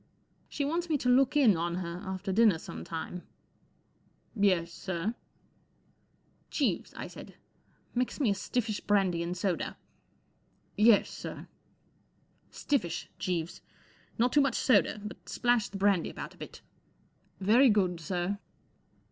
" She wants me to look in on her after dinner some time*" I Yes* sir ?" II Jeeves*'' 1 said, 1 mix me a stiffish bran d y an d soda' " Yes. sir/ 1 " Stiffish* Jeeves. Not too much soda* but splash the brandy about a bit." " Very good, sir."